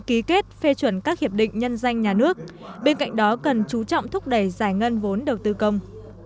ký kết phê chuẩn các hiệp định nhân danh nhà nước bên cạnh đó cần chú trọng thúc đẩy giải ngân vốn đầu tư công